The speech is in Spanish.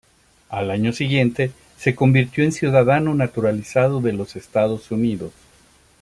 Al año siguiente se convirtió en ciudadano naturalizado de los Estados Unidos.